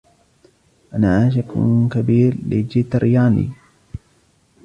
أنا عاشق كبير لجيتر ياني.